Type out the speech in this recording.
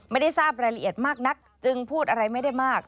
ไม่ได้ทราบรายละเอียดมากนักจึงพูดอะไรไม่ได้มาก